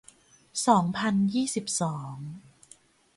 สองพันยี่สิบสอง